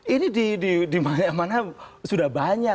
ini dimana mana sudah banyak